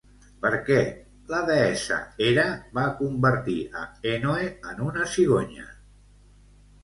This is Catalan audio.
Per què la deessa Hera va convertir a Ènoe en una cigonya?